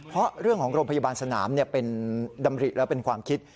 เพราะเรื่องของโรงพยาบาลสนามเป็นดำริและเป็นความคิด